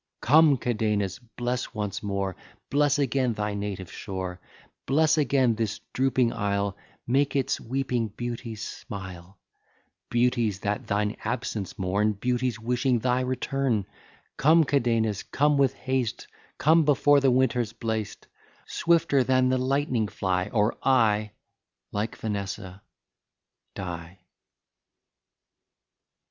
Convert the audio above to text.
Come, Cadenus, bless once more, Bless again thy native shore, Bless again this drooping isle, Make its weeping beauties smile, Beauties that thine absence mourn, Beauties wishing thy return: Come, Cadenus, come with haste, Come before the winter's blast; Swifter than the lightning fly, Or I, like Vanessa, die.